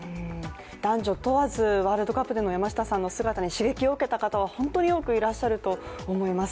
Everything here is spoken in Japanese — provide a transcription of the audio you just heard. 男女問わず、ワールドカップでの山下さんの姿に刺激を受けた方は本当に多くいらっしゃると思います。